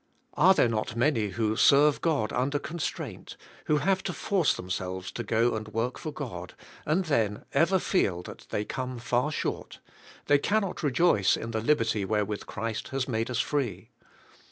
Are there not many who serve God under constrain t, who have to force them selves to g o and work for God, and then ever feel that they come far short; they cannot rejoice in the liberty wherewith Christ has made us free.